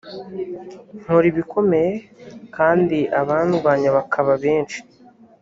nkora ibikomeye kandi abandwanya bakaba benshi .